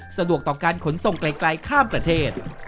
สะดวกต่อการขนส่งไกลข้ามประเทศ